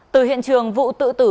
từ hiện trường vụ tự tử